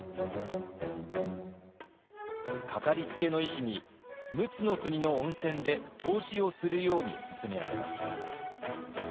掛かりつけの医師に陸奥国の温泉で湯治をするようにすすめられます。